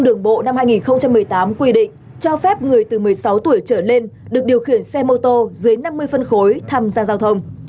từ một mươi tám tuổi đến hai mươi tuổi người từ một mươi sáu tuổi trở lên được điều khiển xe mô tô dưới năm mươi phân khối tham gia giao thông